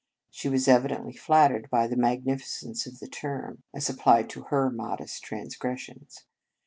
She was evidently flattered by the mag nificence of the term, as applied to her modest transgressions.